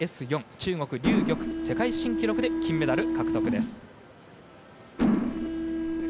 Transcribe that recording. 中国、劉玉世界新記録で金メダル獲得です。